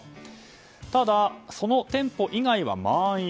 ただ、その店舗以外は満員。